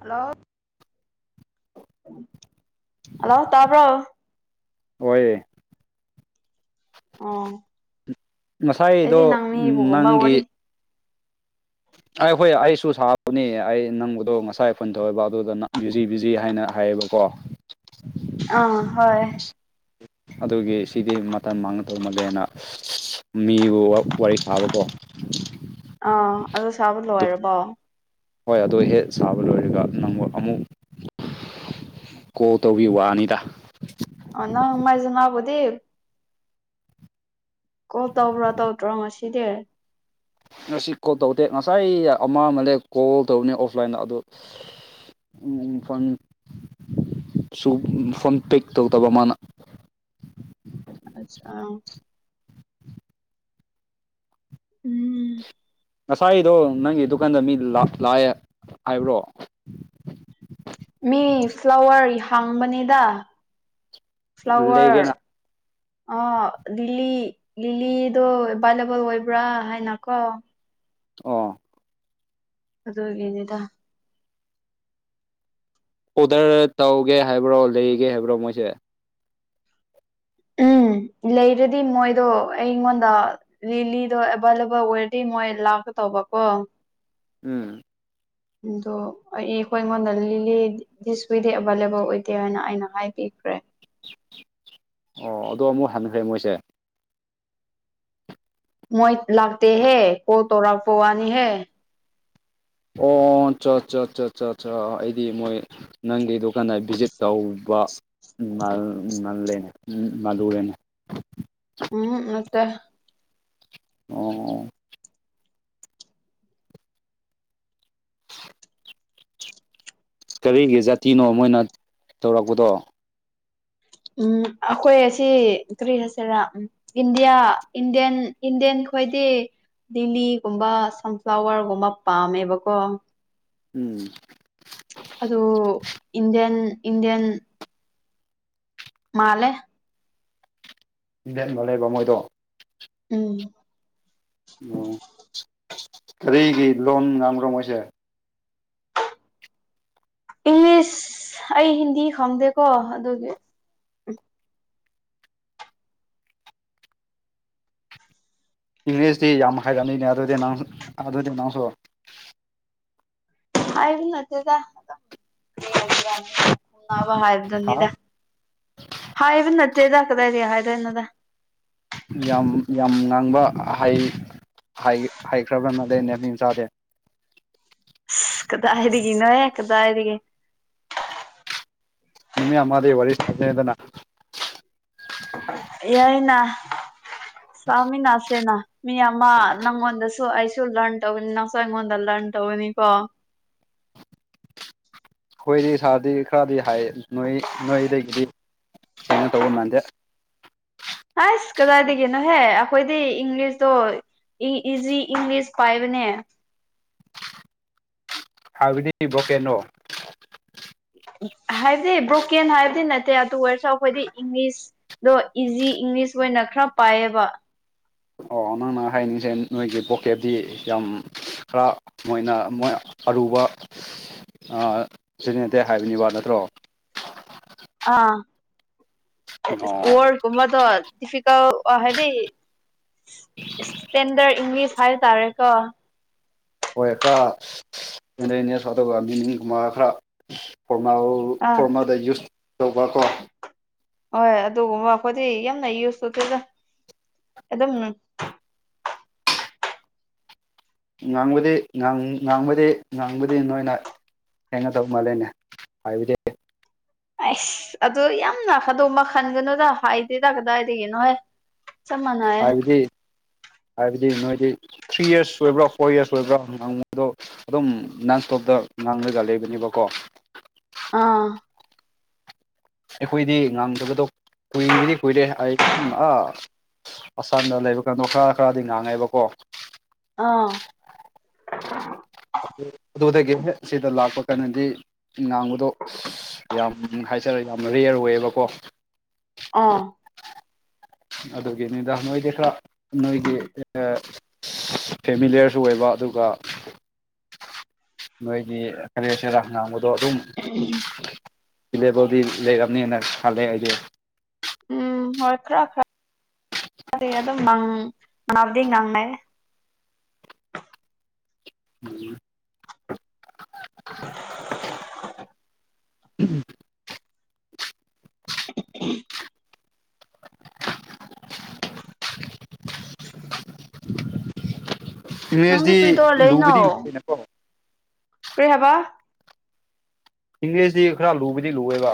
Hello hello ꯇꯔꯕ꯭ꯔꯣ ꯍꯣꯏꯦ ꯑꯣ ꯑꯩꯗꯤ ꯉꯁꯥꯏꯗꯣ ꯅꯪꯅꯤꯕꯒꯨꯝꯕ ꯋꯥꯔꯤ ꯅꯪꯒꯤ ꯑꯩ ꯍꯣꯏ ꯑꯩꯁꯨ ꯁꯥꯕꯅꯤ ꯑꯩ ꯅꯪꯕꯗꯣ ꯉꯁꯥꯏ ꯐꯟ ꯇꯧꯋꯦꯕ ꯑꯗꯨꯗ ꯕꯤꯨꯖꯤ ꯕꯤꯨꯖꯤ ꯍꯥꯏꯅ ꯍꯥꯏꯌꯦꯕꯀꯣ ꯑꯥ ꯍꯣꯏ ꯑ ꯑꯗꯨꯒꯤ ꯁꯤꯗꯤ ꯃꯇꯝ ꯃꯥꯡꯒꯇꯧ ꯃꯜꯂꯦꯅ ꯃꯤꯕꯨ ꯋꯥꯔꯤ ꯁꯥꯕꯀꯣ ꯑꯥ ꯑꯗꯨ ꯁꯥꯕ ꯑꯗꯨ ꯂꯣꯏꯔꯕꯣ ꯍꯣꯏ ꯑꯗꯨꯗꯣ ꯍꯦꯛ ꯁꯥꯕ ꯂꯣꯏꯔꯒ ꯅꯪꯕꯨ ꯑꯃꯨꯛ ꯀꯣꯜ ꯇꯧꯕꯤ ꯋꯥꯅꯤꯗ ꯑꯅ ꯃꯥꯏꯖꯅ ꯑꯕꯗꯤꯦ ꯀꯣꯜ ꯇꯧꯕ꯭ꯔꯥ ꯇꯧꯗ꯭ꯔꯣ ꯉꯗꯤ ꯉꯁꯤ ꯀꯣꯜ ꯇꯧꯗꯦ ꯉꯁꯥꯏ ꯑꯃ ꯑꯃꯅꯦꯛ ꯀꯣꯜ ꯇꯧꯅꯤ ꯑꯣꯐꯂꯥꯏꯟꯗ ꯑꯗꯨꯗꯣ ꯐꯣꯟ ꯁꯨ ꯐꯝ ꯄꯦꯛ ꯇꯧꯗꯕ ꯃꯥꯅ ꯑꯆꯥ ꯎꯝ ꯉꯁꯥꯏꯗꯣ ꯅꯪꯒꯤ ꯗꯨꯀꯥꯟꯗ ꯃꯤ ꯂꯥꯛꯑꯦ ꯍꯥꯏꯕ꯭ꯔꯣ ꯃꯤ ꯐ꯭ꯂꯥꯋꯔ ꯍꯥꯡꯕꯅꯤꯗ ꯐ꯭ꯂꯥꯋꯔ ꯂꯩꯒꯦꯅ ꯑ ꯂꯤꯂꯤ ꯂꯤꯂꯤꯗꯣ ꯑꯦꯚꯏꯂꯦꯕꯜ ꯑꯣꯏꯕ꯭ꯔꯥ ꯍꯥꯏꯅꯀꯣ ꯑꯣ ꯑꯗꯨꯗ ꯑꯣꯏꯒꯦꯅꯤꯗ ꯑꯣꯗꯔ ꯇꯧꯒꯦ ꯍꯥꯏꯕ꯭ꯔꯣ ꯂꯩꯒꯦ ꯍꯥꯏꯕ꯭ꯔꯣ ꯃꯣꯏꯁꯦ ꯎꯝ ꯂꯩꯔꯗꯤ ꯃꯣꯏꯗꯣ ꯑꯩꯉꯣꯟꯗ ꯂꯤꯂꯤꯗꯣ ꯑꯦꯕꯥꯏꯂꯦꯕꯜ ꯑꯣꯏꯔꯗꯤ ꯃꯣꯏ ꯂꯥꯛꯀꯦ ꯇꯧꯕ ꯀꯣ ꯎꯝ ꯗꯨ ꯌꯦ ꯀꯣꯏꯃꯣꯟ ꯗꯤꯁ ꯋꯤꯗꯤ ꯑꯦꯕꯥꯏꯂꯦꯕꯜ ꯑꯣꯏꯗꯦ ꯍꯥꯏꯅ ꯑꯩꯅ ꯍꯥꯏꯕꯤꯈ꯭ꯔꯦ ꯑꯣ ꯑꯗꯣ ꯑꯃꯨꯛ ꯍꯟꯈ꯭ꯔꯦ ꯃꯣꯏꯁꯦ ꯃꯣꯏ ꯂꯥꯛꯇꯦꯍꯦ ꯀꯣꯜ ꯇꯧꯔꯛꯄ ꯋꯥꯅꯤꯍꯦ ꯑꯣ ꯆ ꯆ ꯆ ꯆ ꯆ ꯑꯩꯗꯤ ꯃꯣꯏ ꯅꯪꯒꯤ ꯗꯨꯀꯥꯟꯗ ꯚꯤꯖꯤꯠ ꯇꯧꯕ ꯃꯥꯜꯂꯅꯦ ꯎ ꯃꯥꯂꯔꯦꯅꯦ ꯎꯝ ꯅꯠꯇꯦ ꯑꯣ ꯀꯔꯤꯒꯤ ꯖꯥꯇꯤꯅꯣ ꯃꯣꯏꯅ ꯇꯧꯔꯛꯄꯗꯣ ꯎꯝ ꯑꯩꯈꯣꯏ ꯑꯁꯤ ꯀ꯭ꯔꯤ ꯍꯥꯏꯁꯤꯔꯥ ꯎꯝ ꯏꯟꯗꯤꯌꯥ ꯏꯟꯗꯤꯌꯥꯟ ꯏꯟꯗꯤꯌꯥꯟ ꯈꯣꯏꯗꯤ ꯂꯤꯂꯤꯒꯨꯝꯕ ꯁꯟꯐ꯭ꯂꯥꯋꯔꯒꯨꯝꯕ ꯄꯥꯝꯃꯦꯕꯀꯣ ꯎꯝ ꯑꯣ ꯏꯟꯗꯤꯌꯟ ꯏꯟꯗꯤꯌꯟ ꯃꯥꯂꯦ ꯏꯟꯚꯦꯟꯕ ꯂꯩꯕ ꯃꯣꯏꯗꯣ ꯎꯝ ꯑꯣ ꯀꯔꯤꯒꯤ ꯂꯣꯟ ꯉꯥꯡꯕ꯭ꯔꯣ ꯃꯣꯏꯁꯦ ꯏꯁ ꯑꯩ ꯍꯤꯟꯗꯤ ꯈꯪꯗꯦꯀꯣ ꯑꯗꯨꯒꯤ ꯏꯪꯂꯤꯁꯇꯤ ꯌꯥꯝ ꯍꯥꯏꯔꯝꯃꯤꯅꯦ ꯑꯗꯨꯗꯤ ꯅꯪ ꯑꯗꯨꯗꯤ ꯅꯪꯁꯨ ꯑꯩꯒꯤ ꯅꯠꯇꯦꯗ [unintelligible] ꯍꯥ ꯍꯥꯏꯕꯗꯨꯅꯤꯗ ꯍꯥꯏꯕ ꯅꯠꯇꯦꯗ ꯀꯗꯥꯏꯗꯒꯤ ꯍꯥꯢꯗꯣꯢꯅꯣꯗ ꯌꯥꯝ ꯌꯥꯝ ꯉꯥꯡꯕ ꯍꯩ ꯍꯩ ꯍꯩꯈ꯭ꯔꯕ ꯃꯥꯜꯂꯦꯅꯦ ꯃꯤ ꯃꯆꯥꯥꯗꯤ ꯀꯗꯥꯏꯔꯤꯒꯅꯣꯍꯦ ꯀꯗꯥꯢꯗꯒꯤ [unintelligible] ꯌꯥꯏꯅ ꯁ꯭ꯥꯃꯤꯟꯅꯁꯦꯅ ꯃꯤ ꯑꯃ ꯅꯪꯉꯣꯟꯗꯁꯨ ꯑꯩꯁꯨ ꯂꯔꯟ ꯇꯧꯅꯤ ꯅꯪꯁꯨ ꯑꯩꯉꯣꯟꯗ ꯂꯔꯟ ꯇꯧꯒꯅꯤꯀꯣ ꯈꯣꯏꯗꯤ ꯁꯥꯗꯦ ꯈꯔꯗꯤ ꯍꯥꯏ ꯅꯣꯏ ꯅꯣꯏꯗꯒꯤꯗꯤ ꯍꯦꯟꯒ ꯗꯧꯕ ꯃꯥꯟꯗꯦ ꯍꯥꯢꯁ ꯀꯗꯥꯏꯗꯒꯤꯅꯣꯍꯦ ꯑꯩꯈꯣꯏꯗꯤ ꯏꯪꯂꯤꯁꯇꯣ ꯏ ꯢꯖꯤ ꯏꯪꯂꯤꯁ ꯄꯥꯏꯕꯅꯦ ꯍꯥꯏꯕꯗꯤ ꯕꯣꯀꯦꯅꯣ ꯍꯥꯏꯕꯗꯤ ꯕ꯭ꯔꯣꯀꯦꯟ ꯍꯥꯏꯕꯗꯤ ꯅꯠꯇꯦ ꯑꯗꯨ ꯑꯣꯏꯔꯁꯨ ꯑꯩꯈꯣꯏꯗꯤ ꯏꯪꯂꯤꯁ ꯗꯣ ꯏꯖꯤ ꯏꯪꯂꯤꯁ ꯑꯣꯏꯅ ꯈꯔ ꯄꯥꯏꯌꯦꯕ ꯑꯣ ꯑꯣ ꯅꯪꯅ ꯍꯥꯏꯅꯤꯡꯁꯦ ꯅꯣꯏꯒꯤ ꯄꯣꯀꯦꯠꯗꯤ ꯌꯥꯝ ꯈꯔ ꯃꯣꯏꯅ ꯃꯣꯏ ꯑꯔꯨꯕ ꯑ ꯁꯤꯖꯤꯟꯅꯗꯦ ꯍꯥꯏꯕꯅꯤꯕ ꯅꯠꯇ꯭ꯔꯣ ꯑ ꯑꯣ ꯋꯥꯔꯗ ꯒꯨꯝꯕꯗꯣ ꯗꯤꯐꯤꯀꯜ ꯍꯥꯏꯕꯗꯤ ꯏꯁꯇꯦꯟꯗꯔꯠ ꯏꯪꯂꯤꯁ ꯍꯥꯏꯇꯥꯔꯦꯀꯣ ꯍꯣꯢ ꯈꯔ [unintelligible] ꯑꯥ ꯐꯣꯔꯃꯦꯜꯗ ꯌꯨꯁ ꯇꯧꯕꯀꯣ ꯍꯣꯏ ꯑꯗꯨꯒꯨꯝꯕ ꯑꯩꯈꯣꯏꯗꯤ ꯌꯥꯝꯅ ꯌꯨꯁꯇꯧꯗꯦꯗ ꯑꯗꯨꯝ ꯉꯥꯡꯕꯗꯤ ꯉꯥꯡ ꯉꯥꯡꯕꯗꯤ ꯉꯥꯡꯕꯗꯤ ꯅꯣꯏꯅ ꯍꯦꯟꯒꯧ ꯃꯥꯜꯂꯦꯅꯦ ꯍꯥꯏꯕꯗꯤ ꯑꯩꯁ ꯑꯗꯨ ꯌꯥꯝ ꯑꯗꯨꯒꯨꯝꯕ ꯃꯈꯟꯒꯅꯣꯗ ꯍꯥꯏꯗꯦꯗ ꯀꯗꯥꯏꯗꯒꯤꯅꯣꯍꯦ ꯆꯞ ꯃꯥꯟꯅꯩꯌꯦ ꯍꯥꯏꯕꯗꯤ ꯍꯥꯏꯕꯗꯤ ꯅꯣꯏꯗꯤ ꯊ꯭ꯔꯤ ꯌꯔꯁ ꯑꯣꯏꯕ꯭ꯔꯥ ꯐꯣꯔ ꯌꯔꯁ ꯑꯣꯏꯕ꯭ꯔꯥ ꯉꯥꯡꯕꯗꯣ ꯑꯗꯨꯝ ꯅꯟ ꯁꯇꯣꯞꯇ ꯉꯥꯡꯂꯒ ꯂꯩꯕꯅꯤꯕꯀꯣ ꯑꯥ ꯑꯩꯈꯣꯏꯗꯤ ꯉꯥꯡꯗꯕꯗꯣ ꯀꯨꯏꯕꯗꯤ ꯀꯨꯏꯔꯦ ꯑꯩ ꯑ ꯑꯁꯥꯝꯗ ꯂꯩꯕ ꯀꯥꯟꯗꯣ ꯈꯔ ꯈꯔꯗꯤ ꯉꯥꯡꯉꯦꯕꯀꯣ ꯑꯥ ꯑꯗꯨꯗꯒꯤ ꯁꯤꯗ ꯂꯥꯛꯄ ꯀꯥꯟꯗꯗꯤ ꯉꯥꯡꯕꯗꯣ ꯌꯥꯝ ꯍꯥꯏꯖꯔꯦ ꯌꯥꯝ ꯔꯦꯌꯔ ꯑꯣꯏꯌꯦꯕꯀꯣ ꯑꯥ ꯑꯗꯨꯒꯤ ꯅꯤꯗꯥ ꯅꯣꯏꯗꯤ ꯈꯔ ꯅꯣꯏꯒꯤ ꯐꯦꯃꯤꯂꯤꯌꯔꯁꯨ ꯑꯣꯏꯕ ꯑꯗꯨꯒ ꯅꯣꯏꯒꯤ ꯀꯔꯤ ꯀꯔꯥ ꯉꯥꯡꯕꯗꯣ ꯑꯗꯨꯝ [unintelligible] ꯏꯂꯦꯕꯜꯗꯤ ꯂꯩꯔꯝꯅꯤꯅ ꯈꯜꯂꯦ ꯑꯩꯗꯤ ꯎꯝ ꯍꯣꯏ ꯈꯔ ꯈꯔꯗꯤ ꯑꯗꯨꯝ ꯉꯪ ꯉꯥꯡꯕꯗꯤ ꯉꯥꯡꯅꯩ ꯎꯝ [unintelligible] ꯅꯪꯗꯤ ꯃꯪꯂꯦꯖꯗꯤ ꯀꯔꯤ ꯇꯧꯔ ꯂꯨꯕꯗꯤ ꯂꯨꯌꯦꯅꯀꯣ ꯀꯩ ꯍꯥꯏꯕ ꯏꯪꯂꯤꯁꯗꯤ ꯈꯔ ꯂꯨꯕꯗꯤ ꯂꯨꯋꯦꯕ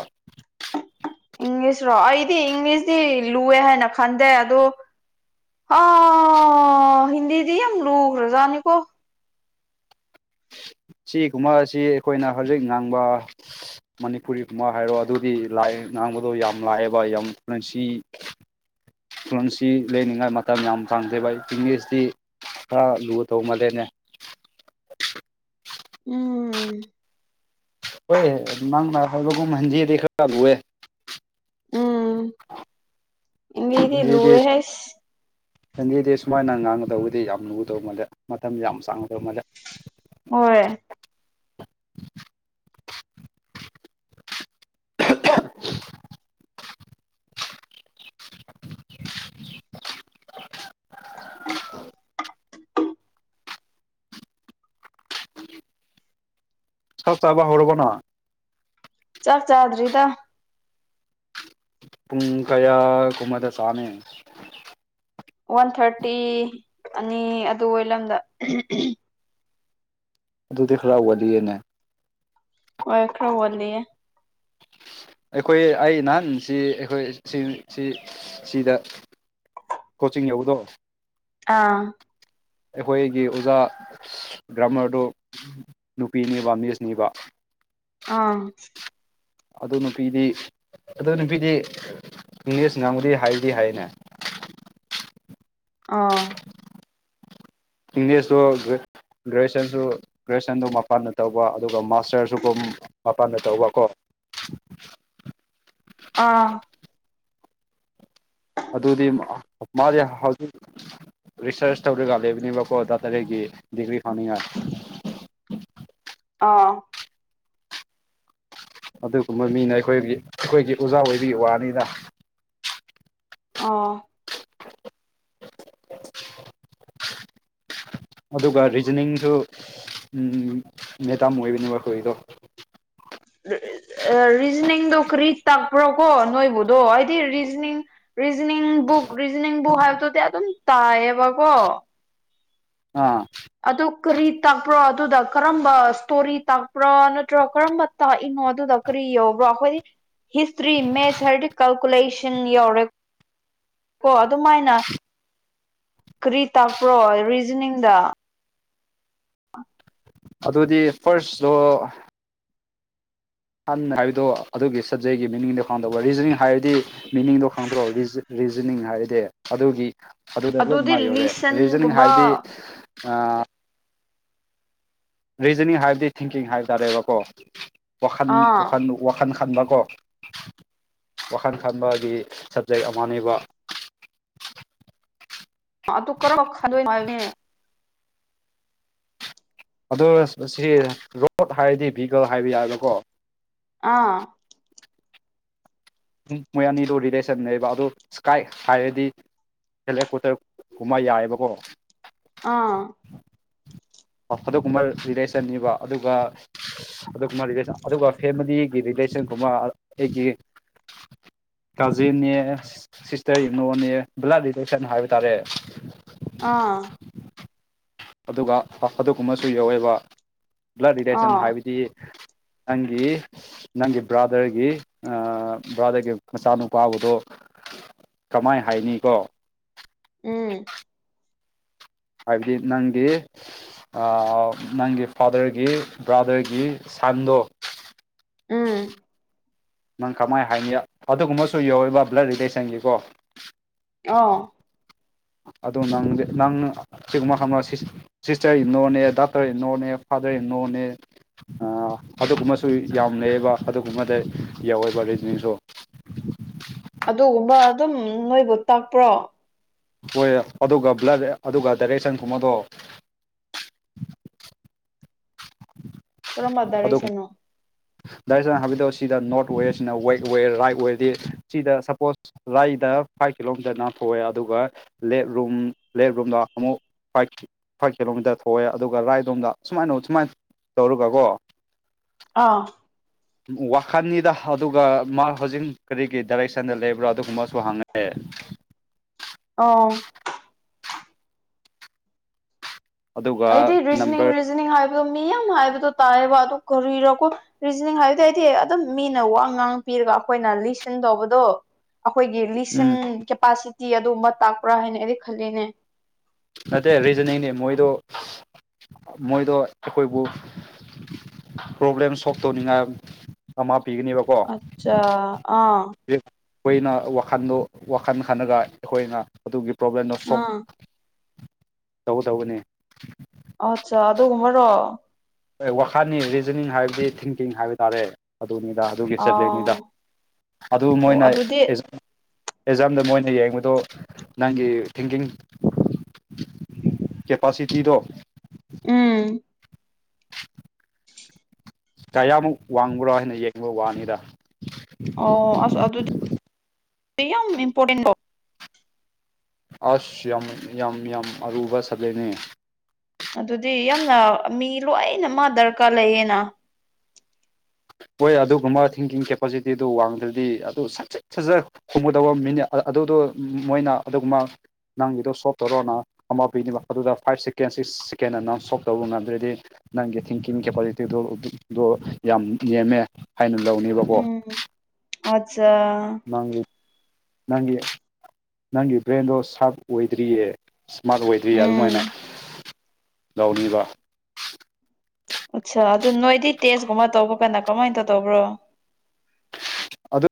ꯏꯪꯂꯤꯁꯔꯣ ꯑꯩꯗꯤ ꯏꯪꯂꯤꯁꯗꯤ ꯂꯨꯑꯦ ꯍꯥꯏꯅ ꯈꯟꯗꯦ ꯑꯗꯣ ꯍꯥ.... ꯍꯤꯟꯗꯤꯗꯤ ꯌꯥꯝ ꯂꯨꯒ꯭ꯔꯥꯖꯥꯅꯤꯀꯣ ꯁꯤꯒꯨꯝꯕꯁꯤ ꯑꯩꯈꯣꯏꯅ ꯍꯧꯖꯤꯛ ꯉꯥꯡꯕ ꯃꯅꯤꯄꯨꯔꯤꯒꯨꯝꯕ ꯍꯥꯏꯔꯣ ꯑꯗꯨꯗꯤ ꯂꯥꯏ ꯉꯥꯡꯕꯗꯣ ꯌꯥꯝ ꯂꯥꯛꯑꯦꯕ ꯌꯥꯝ ꯅꯁꯤ [unintelligible] [inaudible] [unintelligible] ꯂꯩꯅꯤꯡꯉꯥꯏ ꯃꯇꯝ ꯌꯥꯝ ꯐꯪꯗꯦꯕ ꯏꯪꯂꯤꯁꯇꯤ ꯈꯔ ꯂꯨ ꯇꯧꯃꯜꯂꯦꯅꯦ ꯎꯝ ꯍꯣꯏꯍꯦ ꯅꯪ ꯅ ꯍꯥꯏꯕꯒꯨꯝ ꯍꯟꯖꯤꯗꯤ ꯈꯔ ꯂꯨꯑꯦ ꯎꯝ ꯏꯟꯗꯤꯗꯤ ꯍꯤꯟꯗꯤꯗꯤ ꯂꯨꯋꯦ ꯍꯥꯏ ꯍꯤꯟꯗꯤꯗꯤ ꯁꯨꯃꯥꯏꯅ ꯉꯥꯡꯒꯗꯕꯗꯤ ꯌꯥꯝ ꯂꯨꯗꯧ ꯃꯥꯜꯂꯦ ꯃꯇꯝ ꯌꯥꯝ ꯆꯥꯡꯒꯗꯧ ꯃꯥꯜꯂꯦ ꯍꯣꯏ ꯆꯥꯛ ꯆꯥꯕ ꯍꯧꯔꯕꯣ ꯅꯪ ꯆꯥꯛ ꯆꯥꯗ꯭ꯔꯤꯗ ꯄꯨꯡ ꯀꯌꯥ ꯒꯨꯝꯕꯗ ꯆꯥꯅꯤ ꯋꯥꯟ ꯊꯥꯔꯇꯤ ꯑꯅꯤ ꯑꯗꯨ ꯑꯣꯏ ꯂꯝꯗ ꯑꯗꯨꯗꯤ ꯈꯔ ꯋꯥꯠꯂꯤꯌꯦꯅꯦ ꯑꯣ ꯈꯔ ꯋꯥꯠꯂꯤꯌꯦ ꯑꯩꯈꯣꯏ ꯑꯩ ꯅꯍꯥꯟꯁꯤ ꯑꯩꯈꯣꯏ ꯁꯤ ꯁꯤ ꯁꯤꯗ ꯀꯣꯆꯤꯡ ꯌꯧꯕꯗꯣ ꯑꯥ ꯑꯩꯈꯣꯏꯒꯤ ꯑꯣꯖꯥ ꯒ꯭ꯔꯥꯃꯔꯗꯨ ꯅꯨꯄꯤꯅꯤꯕ ꯃꯤꯁꯅꯤꯕ ꯑꯥ ꯑꯗꯨ ꯅꯨꯄꯤꯗꯤ ꯑꯗꯨ ꯅꯨꯄꯤꯗꯤ ꯏꯪꯂꯤꯁ ꯉꯥꯡꯕꯨꯗꯤ ꯍꯩꯗꯤ ꯍꯩꯅꯦ ꯑꯥ ꯏꯪꯂꯤꯁꯇꯨ ꯒ꯭ꯔꯦꯖꯨꯑꯌꯦꯁꯟꯁꯨ ꯒ꯭ꯔꯦꯖꯨꯑꯌꯦꯁꯟꯗꯨ ꯃꯄꯥꯟꯗ ꯇꯧꯕ ꯑꯗꯨꯒ ꯃꯥꯁꯇꯔꯁꯨꯀꯣ ꯃꯄꯥꯟꯗ ꯇꯧꯕ ꯀꯣ [inaudible] ꯑꯥ ꯑꯗꯨꯗꯤ ꯃꯥꯗꯤ ꯍꯧꯖꯤꯛ ꯔꯤꯁꯔꯁ ꯇꯧꯔꯒ ꯂꯩꯕꯅꯦꯕꯀꯣ ꯗꯥꯛꯇꯔꯦꯠ ꯒꯤ ꯗꯤꯒ꯭ꯔꯤ ꯐꯪꯅꯤꯡꯉꯥꯏ ꯑꯥ ꯑꯗꯨꯒꯨꯝꯕ ꯃꯤꯅ ꯑꯩꯈꯣꯏꯒꯤ ꯑꯩꯈꯣꯏꯒꯤ ꯑꯣꯖꯥ ꯑꯣꯏꯕꯒꯤ ꯋꯥꯅꯤꯅ ꯑꯣ ꯑꯗꯨꯒ ꯔꯤꯖꯅꯤꯡꯁꯨ ꯃꯦꯗꯥꯝ ꯑꯣꯏꯕꯅꯤꯕ ꯃꯈꯣꯏꯒꯤꯗꯣ ꯔꯤꯖꯅꯤꯡꯗꯣ ꯀꯔꯤ ꯇꯥꯛꯄ꯭ꯔꯣꯀꯣ ꯅꯣꯏꯕꯨꯗꯣ ꯍꯥꯏꯗꯤ reasoning reasoning book reasoning book ꯍꯥꯏꯕꯗꯨꯗꯤ ꯑꯗꯨꯝ ꯇꯥꯏꯌꯦꯕꯀꯣ ꯑꯥ ꯑꯗꯨ ꯀꯔꯤ ꯇꯥꯛꯄ꯭ꯔꯣ ꯑꯗꯨꯗ ꯀꯔꯝꯕ ꯏꯁꯇꯣꯔꯤ ꯇꯥꯛꯄ꯭ꯔꯣ ꯅꯠꯇ꯭ꯔꯣ ꯀꯔꯝꯕ ꯇꯥꯛꯏꯅꯣ ꯑꯗꯨꯗ ꯀꯔꯤ ꯌꯧꯕ꯭ꯔꯈꯣꯏꯗꯤ ꯍꯤꯁꯇ꯭ꯔꯤ ꯃꯦꯠꯁ ꯍꯥꯔꯗꯤ ꯀꯥꯜꯀꯨꯂꯦꯁꯟ ꯌꯧꯔꯦ ꯀꯣ ꯑꯗꯨꯃꯥꯏꯅ ꯀꯔꯤ ꯇꯥꯛꯄ꯭ꯔꯣ ꯔꯤꯖꯅꯤꯡꯗ ꯑꯗꯨꯗꯤ ꯐꯥꯔꯁꯇꯣ ꯍꯟꯅ ꯍꯥꯏꯕꯗꯣ ꯑꯗꯨꯒꯤ ꯁꯞꯖꯦꯛꯒꯤ ꯃꯤꯅꯤꯡꯗꯣ ꯈꯪꯗꯧꯕ ꯔꯤꯖꯅꯤꯡ ꯍꯥꯏꯔꯗꯤ ꯃꯤꯅꯤꯡꯗꯣ ꯈꯪꯗ꯭ꯔꯣ ꯔꯤꯖ ꯔꯤꯖꯅꯤꯡ ꯍꯥꯏꯔꯗꯤ ꯑꯗꯨꯒꯤ ꯑꯗꯨꯗ ꯂꯣꯏꯅ ꯑꯗꯨꯗꯤ ꯃꯥꯏ ꯌꯧꯔꯦ ꯔꯤꯖꯅꯤꯡ ꯂꯤꯁꯟꯒꯨꯝꯕ ꯍꯥꯏꯗꯤ ꯔꯤꯖꯅꯤꯡ ꯍꯥꯏꯕꯗꯤ ꯊꯤꯡꯀꯤꯡ ꯍꯥꯏ ꯇꯥꯔꯦꯕꯀꯣ ꯋꯥꯈꯜ ꯑꯥ ꯋꯥꯈꯜ ꯋꯥꯈꯜ ꯈꯟꯕꯀꯣ ꯋꯥꯈꯜ ꯈꯟꯕꯒꯤ ꯁꯕꯖꯦꯛ ꯑꯃꯅꯦꯕ ꯑꯗꯨ ꯀꯔꯝ ꯈꯟꯗꯣꯏꯅꯣ ꯍꯥꯏꯕꯅꯦ ꯑꯗꯣ ꯁꯤ ꯔꯣꯗ ꯍꯥꯏꯔꯗꯤ ꯚꯤꯍꯤꯒꯜ ꯍꯥꯏꯕ ꯌꯥꯕꯀꯣ ꯑꯥ ꯃꯣꯏ ꯑꯅꯤꯗꯨ ꯔꯤꯂꯦꯁꯟ ꯅꯦꯕ ꯑꯗꯨ ꯏꯁꯀꯥꯏ ꯍꯥꯏꯔꯗꯤ ꯁꯦꯂꯦꯛ ꯀꯣꯇꯦꯞ ꯀꯨꯝꯕ ꯌꯥꯏꯑꯕꯀꯣ꯫ ꯑꯥ꯫ ꯑꯗꯨꯒꯨꯝꯕ ꯔꯤꯂꯦꯁꯟꯅꯤꯕ ꯑꯗꯨꯒ ꯑꯗꯨꯒꯨꯝꯕ ꯔꯤꯂꯦꯁꯟ ꯑꯗꯨꯒ ꯐꯦꯃꯤꯂꯤꯒꯤ ꯔꯤꯂꯦꯁꯟꯒꯨꯝꯕ ꯑꯩꯒꯤ ꯀꯥꯖꯤꯟꯅꯦ ꯁꯤꯁꯇꯔ ꯌꯨꯅꯣꯅꯦ ꯕ꯭ꯂꯠ ꯔꯤꯗꯦꯛꯁꯟ ꯍꯥꯏꯕ ꯇꯥꯔꯦ꯫ ꯑꯥ꯫ ꯑꯗꯨꯒ ꯑꯗꯨꯒꯨꯝꯕꯁꯨ ꯌꯥꯋꯦꯕ ꯕ꯭ꯂꯠ ꯔꯤꯂꯦꯁꯟ ꯑꯥ ꯍꯥꯏꯕꯗꯤ꯫ ꯅꯪꯒꯤ꯫ ꯅꯪꯒꯤ ꯕ꯭ꯔꯥꯗꯔꯒꯤ ꯕ꯭ꯔꯥꯗꯔꯒꯤ ꯃꯆꯥꯅꯨꯄꯥꯕꯨꯗꯣ꯫ ꯀꯃꯥꯏ ꯍꯥꯏꯅꯤ ꯀꯣ꯫ ꯎꯝ꯫ ꯍꯥꯏꯕꯗꯤ ꯅꯪꯒꯤ ꯅꯪꯒꯤ ꯐꯥꯗꯔꯒꯤ ꯕ꯭ꯔꯥꯗꯔꯒꯤ ꯁꯥꯟꯗꯣ꯫ ꯎꯝ꯫ ꯅꯪ ꯀꯃꯥꯏꯅ ꯍꯥꯏꯅꯤ ꯑꯗꯨꯒꯨꯝꯕꯁꯨ ꯌꯧꯔꯤꯕ ꯕ꯭ꯂꯠ ꯔꯤꯂꯦꯁꯟꯒꯤꯀꯣ꯫ ꯑꯥꯎ꯫ ꯑꯗꯣ ꯅꯪ ꯅꯪꯅ ꯁꯤꯒꯨꯝꯕ ꯐꯔꯥꯃꯁꯤꯁ ꯁꯤꯁꯇꯔ ꯏꯟꯂꯣꯅꯦ ꯗꯥꯇꯔ ꯏꯅꯂꯣꯅꯦ ꯐꯥꯗꯔ ꯏꯟꯂꯣꯅꯦ꯫ ꯑꯗꯨꯒꯨꯝꯕꯁꯨ ꯌꯥꯝ ꯂꯩꯌꯦꯕ ꯑꯗꯨꯒꯨꯝꯕꯗ ꯌꯧꯋꯦꯕ ꯔꯤꯖꯅꯤꯡꯁꯨ꯫ ꯑꯗꯨꯒꯨꯝꯕ ꯑꯗꯨꯝ ꯅꯣꯏꯕꯨ ꯇꯥꯛꯄ꯭ꯔꯣ꯫ ꯍꯣꯏ ꯑꯗꯨꯒ ꯕ꯭ꯂꯠ ꯑꯗꯨꯒ ꯗꯥꯏꯔꯦꯛꯁꯟ ꯈꯨꯝꯕ ꯑꯗꯣ ꯀꯔꯝꯕ ꯗꯥꯏꯔꯦꯛꯁꯟꯅꯣ꯫ ꯗꯥꯏꯔꯦꯛꯁ ꯍꯥꯏꯕꯤꯗꯛꯑꯣ ꯁꯤꯗ ꯅꯣꯔꯠ ꯑꯣꯏꯔꯦ ꯁꯤꯅ ꯋꯦꯛ ꯑꯣꯏꯔꯦ ꯔꯥꯏꯠ ꯑꯣꯏꯔꯗꯤ ꯁꯤꯗ ꯁꯄꯣꯁ ꯂꯗ ꯐꯥꯏꯚ ꯀꯤꯂꯣꯃꯤꯇꯔ ꯅꯥꯊꯣꯛꯑꯦ ꯑꯗꯨꯒ ꯂꯦꯠ ꯔꯨꯝ ꯂꯦꯠ ꯔꯨꯝꯗ ꯑꯃꯨꯛ ꯐꯥꯏꯠ ꯐꯥꯏꯚ ꯀꯤꯂꯣꯃꯤꯇꯔ ꯊꯣꯛꯑꯦ ꯑꯗꯨꯒ ꯔꯥꯏꯠ ꯂꯣꯝꯗ ꯁꯨꯃꯥꯏꯅ ꯁꯨꯃꯥꯏꯅ ꯇꯧꯔꯒꯀꯣ꯫ ꯑꯥ꯫ ꯋꯥꯈꯟꯅꯤꯗ ꯑꯗꯨꯒ ꯃꯥ ꯍꯧꯖꯤꯛ ꯀꯔꯤꯒꯤ ꯗꯥꯏꯔꯦꯛꯁꯟꯗ ꯂꯩꯕ꯭ꯔꯣ ꯑꯗꯨꯒꯨꯝꯕꯁꯨ ꯍꯪꯉꯛꯑꯦ꯫ ꯑ꯫ ꯑꯩꯗꯤ ꯑꯗꯨꯒ ꯔꯤꯖꯅꯤꯡ ꯅꯝꯕꯔ ꯔꯤꯖꯅꯤꯡ ꯍꯥꯏꯕꯗꯣ ꯃꯤ ꯌꯥꯝ ꯍꯥꯏꯕꯗꯣ ꯇꯥꯏꯌꯦꯕ ꯑꯗꯨ ꯀꯔꯤꯔꯀꯣ꯫ ꯔꯤꯖꯅꯤꯡ ꯍꯥꯏꯕꯗꯤ ꯍꯥꯏꯗꯤ ꯑꯗꯨꯝ ꯃꯤꯅ ꯋꯥ ꯉꯥꯡ ꯄꯤꯔꯒ ꯑꯩꯈꯣꯏꯅ ꯂꯤꯁꯤꯟ ꯇꯧꯕꯗꯣ꯫ ꯑꯩꯈꯣꯏꯒꯤ ꯎꯝ ꯂꯤꯁꯟ ꯀꯦꯄꯥꯁꯤꯇꯤ ꯑꯗꯨꯒꯨꯝꯕ ꯇꯥꯛꯄ꯭ꯔꯥ ꯍꯥꯏꯅ ꯑꯩꯗꯤ ꯈꯜꯂꯤꯅꯦ꯫ ꯅꯠꯇꯦ ꯔꯤꯖꯅꯤꯡꯅꯦ ꯃꯣꯏꯗꯣ ꯃꯣꯏꯗꯣ ꯑꯩꯈꯣꯏꯕꯨ ꯄ꯭ꯔꯣꯕ꯭ꯂꯦꯝ ꯁꯣꯜꯕ ꯇꯧꯅꯤꯡꯉꯥꯏ ꯑꯃ ꯄꯤꯒꯅꯦꯕꯀꯣ꯫ ꯑꯆꯥ ꯑ ꯍꯧ ꯑꯩꯈꯣꯏꯅ ꯋꯥꯈꯟꯗꯣ ꯋꯥꯈꯜ ꯈꯜꯂꯒ ꯑꯩꯈꯣꯏꯅ ꯑꯗꯨꯒꯤ ꯄ꯭ꯔꯣꯕ꯭ꯂꯦꯝꯗꯣ ꯁꯣꯛ ꯑꯥ ꯇꯧꯒꯗꯧꯕꯅꯦ꯫ ꯑꯠꯆꯥ ꯑꯗꯨꯒꯨꯝꯕꯔꯣ꯫ ꯋꯥꯈꯟꯅꯤ ꯔꯤꯖꯤꯅꯤꯡ ꯍꯥꯏꯕꯗꯤ ꯊꯤꯡꯀꯤꯡ ꯍꯥꯏꯕ ꯇꯥꯔꯦ ꯑꯗꯨꯅꯤꯗ꯫ ꯑꯗꯨꯒꯤ ꯑꯥ ꯆꯠꯂꯤꯅꯤꯗ ꯑꯗꯨ ꯑꯣ ꯃꯣꯏꯅ ꯑꯗꯨꯗꯤ ꯑꯦꯖꯥꯝꯗ ꯃꯣꯏꯅ ꯌꯦꯡꯕꯗꯣ ꯅꯪꯒꯤ ꯊꯤꯡꯒꯤꯡ [unintelligible] ꯀꯦꯄꯥꯁꯤꯇꯤꯗꯣ꯫ ꯎꯝ꯫ ꯀꯌꯥꯃꯨꯛ ꯋꯥꯡꯕ꯭ꯔꯣ ꯍꯥꯅ ꯌꯦꯡꯕ ꯋꯥꯅꯤꯗ꯫ ꯑꯣ ꯑꯁ ꯑꯗꯨꯗꯤ [unintelligible] ꯌꯥꯝ ꯏꯝꯄꯣꯔꯇꯦꯟ ꯑꯣꯏ ꯑꯁ ꯌꯥꯝ ꯌꯥꯝ ꯌꯥꯝ ꯑꯔꯨꯕ ꯁꯕꯖꯦꯛꯅꯤ꯫ ꯑꯗꯨꯗꯤ ꯌꯥꯝꯅ ꯃꯤ ꯂꯣꯏꯅ ꯃꯥ ꯗꯔꯀꯥꯔ ꯂꯩꯌꯦꯅ꯫ ꯍꯣꯏ ꯑꯗꯨꯝꯕ ꯃꯥ ꯊꯤꯡꯀꯤꯡ ꯀꯦꯄꯥꯁꯤꯇꯤꯗꯨ ꯋꯥꯡꯗ꯭ꯔꯗꯤ ꯑꯗꯨ ꯁꯠ ꯁꯠ ꯁꯠꯖꯔ ꯈꯨꯝꯃꯨꯗꯕ ꯃꯤꯅꯤꯠ ꯑꯗꯨꯗꯣ ꯃꯣꯏꯅ ꯑꯗꯨꯒꯨꯝꯕ ꯅꯪꯒꯤꯗꯣ ꯁꯣꯞ ꯇꯧꯔꯣꯅ ꯑꯃ ꯄꯤꯅꯦꯕ ꯑꯗꯨꯗ ꯐꯥꯏꯚ ꯁꯦꯀꯦꯟ ꯁꯤꯛꯁ ꯁꯦꯀꯦꯟ ꯑꯅ ꯁꯣꯞ ꯇꯧꯕ ꯉꯝꯗ꯭ꯔꯗꯤ ꯅꯪꯒꯤ ꯊꯤꯡꯀꯤꯡ ꯀꯦꯄꯥꯁꯤꯇꯤꯗꯣ ꯑꯗꯨꯗꯣ ꯌꯥꯝ ꯅꯦꯝꯃꯦ ꯍꯥꯏꯅ ꯂꯧꯅꯦꯕꯀꯣ꯫ ꯎꯝ ꯑꯠꯆꯥ ꯅꯪꯒꯤ [unintelligible] ꯅꯪꯒꯤ [unintelligible] ꯅꯪꯒꯤ ꯕ꯭ꯔꯦꯟꯗꯣ ꯁꯥꯔꯞ ꯑꯣꯏꯗ꯭ꯔꯤꯌꯦ꯫ ꯃꯥꯒ ꯑꯣꯏꯗꯤ ꯑꯗꯨꯃꯥꯏꯅ ꯎꯝ [unintelligible] ꯂꯧꯎꯒꯅꯤꯕ꯫ ꯑꯆꯥ ꯑꯗꯨ ꯅꯣꯏꯗꯤ ꯇꯦꯁꯀꯨꯝꯕ ꯇꯧꯕ ꯀꯥꯟꯅꯗ ꯀꯃꯥꯏꯟꯇ ꯇꯧꯕ꯭ꯔꯣ꯫ ꯑꯗꯨꯗ